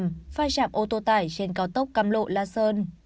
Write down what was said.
phai chạm ô tô tải trên cao tốc căm lộ la sơn